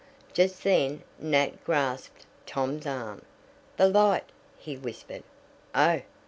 Just then Nat grasped Tom's arm. "The light!" he whispered. "Oh!"